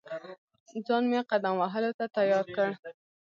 ځان مې قدم وهلو ته تیار کړ.